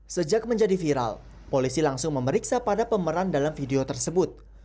sejak menjadi viral polisi langsung memeriksa pada pemeran dalam video tersebut